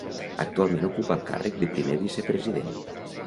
Actualment ocupa el càrrec de Primer Vicepresident.